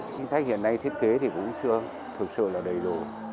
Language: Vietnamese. chính sách hiện nay thiết kế thì cũng chưa thực sự là đầy đủ